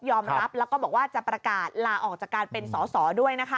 รับแล้วก็บอกว่าจะประกาศลาออกจากการเป็นสอสอด้วยนะคะ